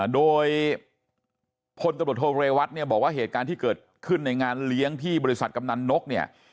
โดยพลตำรวจโทเรวัตเนี่ยบอกว่าเหตุการณ์ที่เกิดขึ้นในงานเลี้ยงที่บริษัทกำนันนกเนี่ย